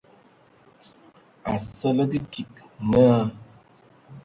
Asǝlǝg kig naa.